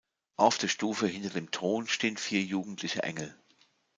Auf der Stufe hinter dem Thron stehen vier jugendliche Engel.